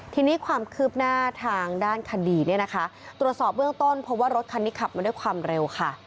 ทีนี้ความคืบหน้าทางด้านคดีเนี่ยนะคะตรวจสอบเบื้องต้นเพราะว่ารถคันนี้ขับมาด้วยความเร็วค่ะ